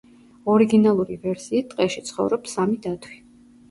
ორიგინალური ვერსიით, ტყეში ცხოვრობს სამი დათვი.